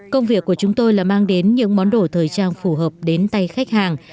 công việc của chúng tôi là mang đến những món đồ thời trang phù hợp đến tay khách hàng